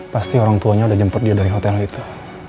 pasti orang tuanya udah jemput dia dari hotel itu